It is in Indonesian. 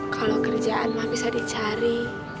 kalau kerjaan mah bisa dicari